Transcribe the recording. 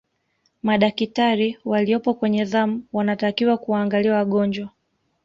madakitari waliyopo kwenye zamu wanatakiwa kuwaangalia wagonjwa